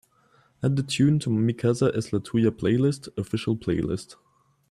Add the tune to my Mi Casa Es La Tuya Playlist Oficial playlist.